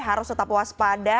harus tetap waspada